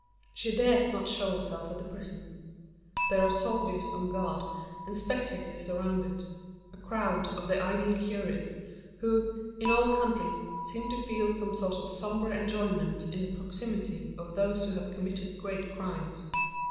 She dares not show herself at the prison. There are soldiers on guard, and spectators around it a crowd of the idle curious, who, in all countries, seem to feel some sort of sombre enjoyment in the proximity of those who have committed great crimes.